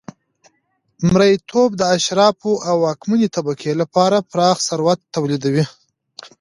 مریتوب د اشرافو او واکمنې طبقې لپاره پراخ ثروت تولیدوي